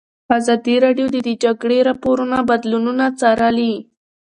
ازادي راډیو د د جګړې راپورونه بدلونونه څارلي.